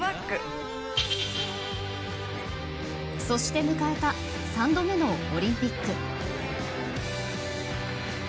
そして迎えた３度目のオリンピック。